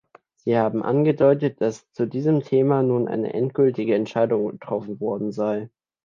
Sie haben angedeutet, dass zu diesem Thema nun eine endgültige Entscheidung getroffen worden sei.